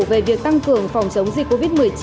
về việc tăng cường phòng chống dịch covid một mươi chín